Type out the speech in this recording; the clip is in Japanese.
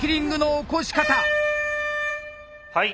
はい。